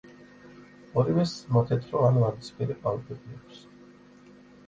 ორივეს მოთეთრო ან ვარდისფერი ყვავილები აქვს.